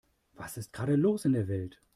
Was ist gerade los in der Welt?